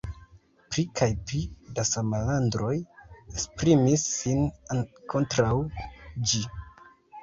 Pli kaj pli da salamandroj esprimis sin kontraŭ ĝi.